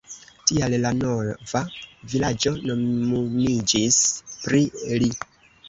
Tial la nova vilaĝo nomumiĝis pri li.